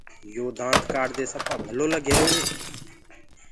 يو دآند ڪآڙدي سپآ ڀلو لگ رهيرو هي۔